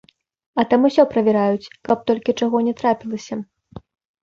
А там усё правяраюць, каб толькі чаго не трапілася.